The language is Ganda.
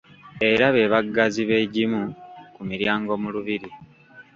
Era be baggazi b’egimu ku miryango mu lubiri.